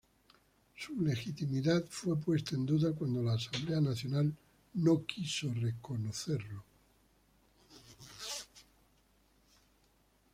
Su legitimidad fue puesta en duda cuando la Asamblea Nacional no quiso reconocerlo.